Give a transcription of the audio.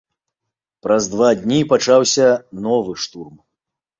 Праз два дні пачаўся новы штурм.